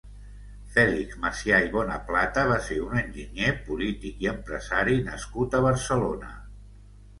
Fèlix Macià i Bonaplata va ser un enginyer, polític i empresari nascut a Barcelona.